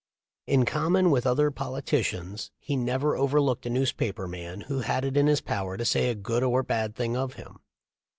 In common with other politicians he never overlooked a newspaper man who had it in his power to say a good or bad thing of him.